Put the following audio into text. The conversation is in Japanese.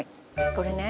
これね